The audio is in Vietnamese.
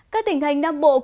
các tỉnh thành nam bộ